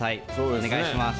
お願いします。